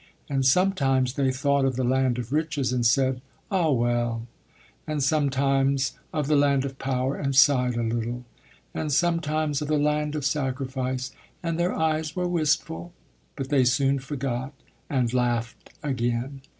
And sometimes they thought of the Land of Riches, and said, "Ah! well"; and sometimes of the Land of Power, and sighed a little; and sometimes of the Land of Sacrifice and their eyes were wistful. But they soon forgot, and laughed again.